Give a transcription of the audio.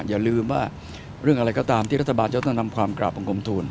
อย่าลืมว่าเรื่องอะไรก็ตามที่รัฐบาลจะต้องนำความกราบบังคมทูล